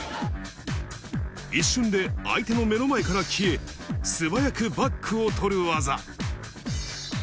一瞬で相手の目の前から消え、素早くバックを取る技。